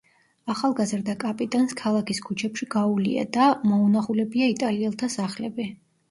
ახალგაზრდა კაპიტანს ქალაქის ქუჩებში გაუვლია და მოუნახულებია იტალიელთა სახლები.